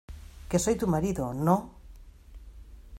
que soy tu marido, ¿ no?